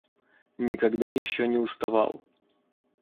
Никогда еще не уставал.